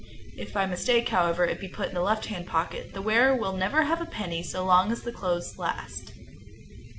If by mistake, however, it be put in the left hand pocket, the wearer will never have a penny so long as the clothes last.